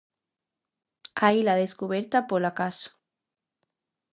A illa descuberta polo acaso.